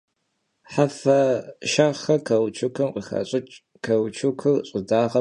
Hefe şşerxhxer kauçukım khıxaş'ıç', kauçukır ş'ıdağem khıxax.